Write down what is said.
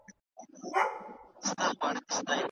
کله چې څېړونکی له کاره سترګې پټوي نو معیار کښته کیږي.